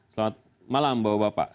selamat malam bapak bapak